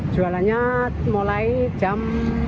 jualannya mulai jam